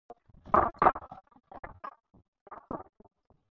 که پیرودونکی درناوی وویني، هر وخت راځي.